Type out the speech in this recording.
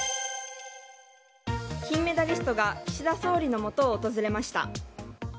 金メダリストが岸田総理のもとを訪れました。